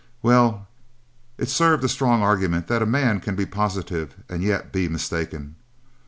Well, it served a strong argument that a man can be positive and yet be mistaken.